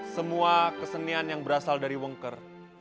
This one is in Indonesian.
semua kesenian yang berasal dari wongker